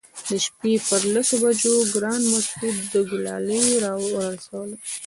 د شپې پر لسو بجو ګران مسعود ګلالي راورسولم.